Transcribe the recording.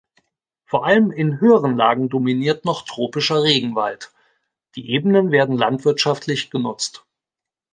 Vor allem in höheren Lagen dominiert noch tropischer Regenwald, die Ebenen werden landwirtschaftlich genutzt.